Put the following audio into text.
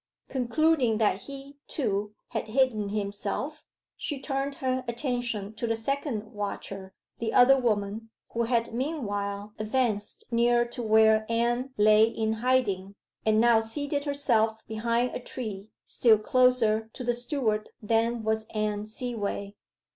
Concluding that he, too, had hidden himself, she turned her attention to the second watcher, the other woman, who had meanwhile advanced near to where Anne lay in hiding, and now seated herself behind a tree, still closer to the steward than was Anne Seaway.